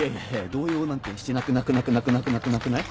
動揺なんてしてなくなくなくなくなくなくない？